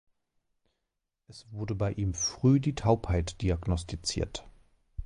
Es wurde bei ihm früh die Taubheit diagnostiziert.